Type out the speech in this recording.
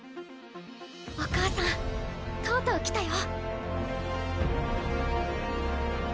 お母さんとうとう来たよ。